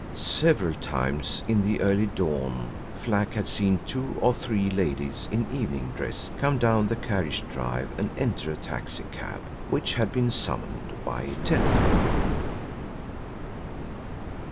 Several times in the early dawn Flack had seen two or three ladies in evening dress come down the carriage drive and enter a taxi cab which had been summoned by telephone.